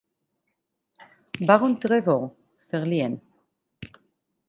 Baron Trevor, verliehen.